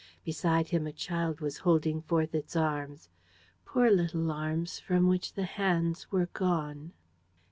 Beside him a child was holding forth its arms, poor little arms from which the hands were gone.